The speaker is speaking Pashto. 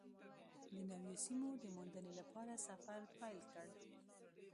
د نویو سیمو د موندنې لپاره سفر پیل کړ.